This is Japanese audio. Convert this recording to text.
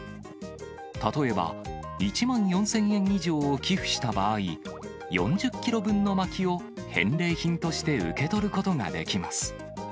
例えば１万４０００円以上を寄付した場合、４０キロ分のまきを返礼品として受け取ることができます。